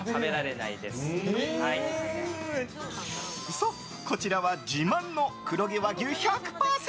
そう、こちらは自慢の黒毛和牛１００％